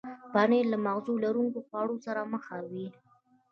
پنېر له مغز لرونکو خواړو سره ښه وي.